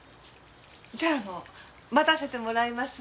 じゃああの待たせてもらいます。